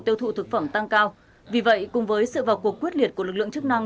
tiêu thụ thực phẩm tăng cao vì vậy cùng với sự vào cuộc quyết liệt của lực lượng chức năng